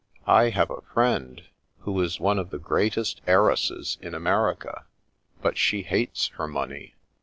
I have a friend who is one of the greatest heiresses in America, but she hates her money.